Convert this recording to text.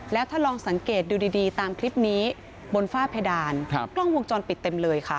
แล้วถ้าลองสังเกตดูดีตามคลิปนี้บนฝ้าเพดานกล้องวงจรปิดเต็มเลยค่ะ